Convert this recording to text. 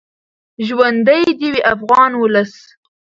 ژوندی دې وي افغان ولس.